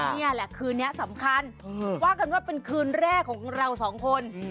นี่แหละคืนนี้สำคัญว่ากันว่าเป็นคืนแรกของเราสองคน